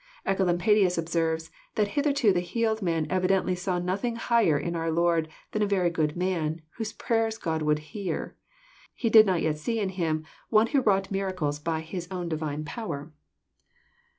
Ecolampadins observes, that hitherto the healed man evi dently saw nothing higher in our Lord than a very good man, whose prayers God would hear. He did not yet see in Him one who wrought miracles by His own Divine power.